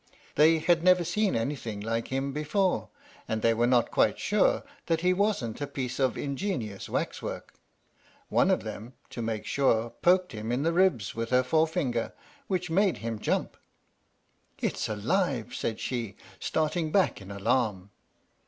They had never seen anything like him before, and they were not quite sure that he wasn't a piece of ingenious waxwork. One of them, to make sure, poked him in the ribs with her forefinger, which made him jump. " It 's alive !" said she, starting back in alarm.